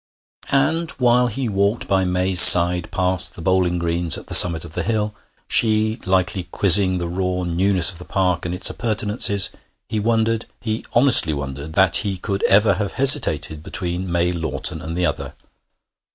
And while he walked by May's side past the bowling greens at the summit of the hill, she lightly quizzing the raw newness of the park and its appurtenances, he wondered, he honestly wondered, that he could ever have hesitated between May Lawton and the other.